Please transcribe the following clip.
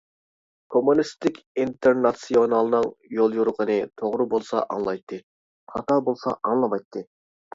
كوممۇنىستىك ئىنتېرناتسىيونالنىڭ يوليورۇقىنى توغرا بولسا ئاڭلايتتى، خاتا بولسا ئاڭلىمايتتى.